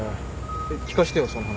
聞かせてよその話。